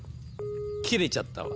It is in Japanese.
切れちゃったわ。